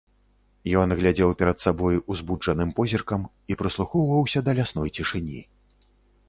Ён глядзеў перад сабой узбуджаным позіркам і прыслухоўваўся да лясной цішыні.